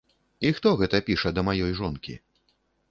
І хто гэта піша да маёй жонкі?